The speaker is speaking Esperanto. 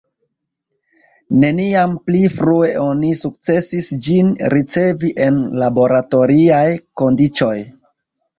Neniam pli frue oni sukcesis ĝin ricevi en laboratoriaj kondiĉoj.